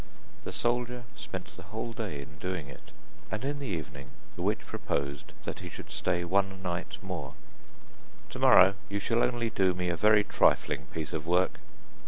The soldier spent the whole day in doing it, and in the evening the witch proposed that he should stay one night more. 'Tomorrow, you shall only do me a very trifling piece of work.